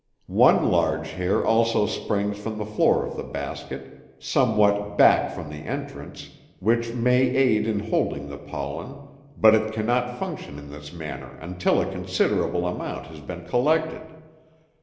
3.) One large hair also springs from the floor of the basket, somewhat back from the entrance, which may aid in holding the pollen, but it can not function in this manner until a considerable amount has been collected.